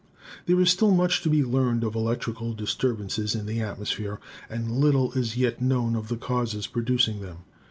There is still much to be learned of electrical disturbances in the atmosphere and little is yet known of the causes producing them.